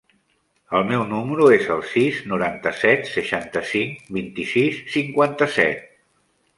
El meu número es el sis, noranta-set, seixanta-cinc, vint-i-sis, cinquanta-set.